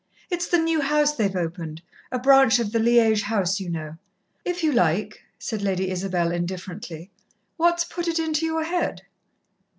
It's the new house they've opened a branch of the Liège house, you know." "If you like," said Lady Isabel indifferently. "What's put it into your head?"